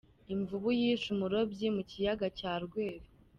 Imvubu yishe umurobyi mu kiyaga cya Rweru